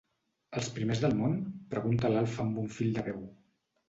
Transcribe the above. Els primers del món? —preguntà l'Alf amb un fil de veu.